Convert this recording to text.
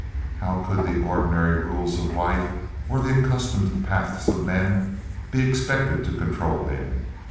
How could the ordinary rules of life or the accustomed paths of men be expected to control him?